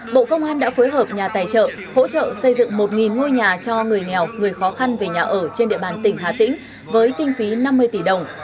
bộ công an đã phối hợp nhà tài trợ hỗ trợ xây dựng một ngôi nhà cho người nghèo người khó khăn về nhà ở trên địa bàn tỉnh hà tĩnh với kinh phí năm mươi tỷ đồng